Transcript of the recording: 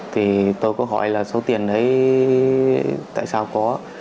thì tôi có hỏi là số tiền đấy tại sao có